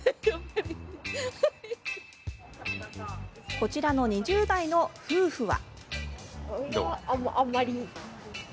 こちらの２０代の夫婦は。